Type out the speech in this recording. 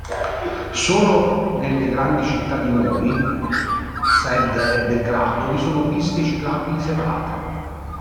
Solo nelle grandi città di Novi Sad e Belgrado vi sono piste ciclabili separate.